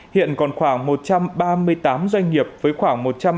hiện còn khoảng một trăm ba mươi tám doanh nghiệp với khoảng